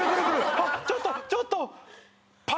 「はっちょっとちょっと！」